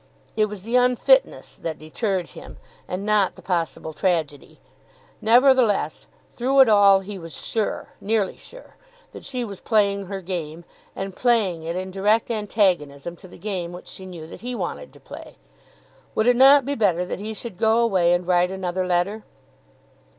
It was the unfitness that deterred him and not the possible tragedy. Nevertheless, through it all, he was sure, nearly sure, that she was playing her game, and playing it in direct antagonism to the game which she knew that he wanted to play. Would it not be better that he should go away and write another letter?